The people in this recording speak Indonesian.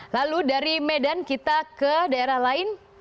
lalu dari medan kita ke daerah lain